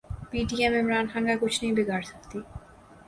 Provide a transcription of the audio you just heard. پی D M Imran Khan کا کچھ نہیں بگاڑسکتی